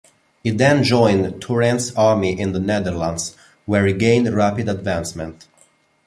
He then joined Turenne's army in the Netherlands, where he gained rapid advancement.